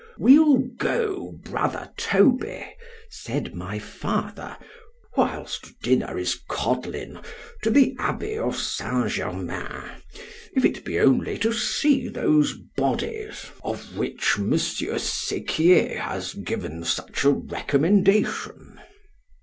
We'll go, brother Toby, said my father, whilst dinner is coddling—to the abbey of Saint Germain, if it be only to see these bodies, of which Monsieur Sequier has given such a recommendation.